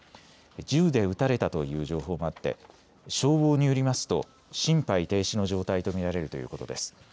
銃で撃たれたという情報もあって消防によりますと心肺停止の状態と見られるということです。